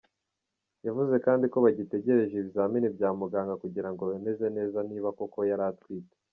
Yavuze kandi ko bagitegereje ibizamini bya muganga kugirango bemeze neza niba koko yari atwite.